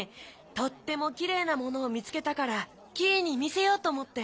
とってもきれいなものをみつけたからキイにみせようとおもって。